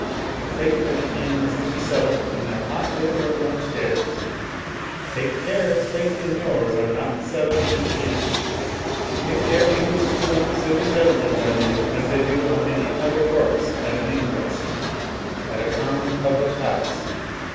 The fate of the Inn is to be settled in that hot little room upstairs ! Take care its fate and yours are not settled in the Inn. Take care Englishmen don't sit in judg ment on you as they do on many another corpse at an inquest — ^at a common public house!